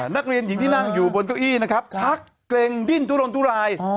นักเรียนหญิงที่นั่งอยู่บนเก้าอี้นะครับชักเกร็งดิ้นทุรนทุราย